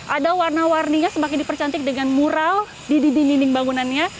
dan kawasan ini kalau kita bisa lihat ada warna warninya semakin dipercantik dengan mural di dinding dinding bangunannya